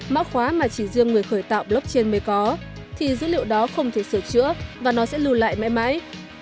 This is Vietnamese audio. mã khóa mà chỉ riêng người khởi tạo blockchain mới có thì dữ liệu đó không thể sửa chữa và nó sẽ lưu lại mãi mãi